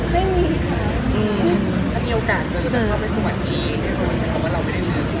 ถ้ามีโอกาสเธอจะเข้าไปสมัยที่